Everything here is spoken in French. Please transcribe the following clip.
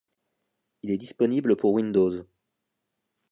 Il est disponible pour Windows.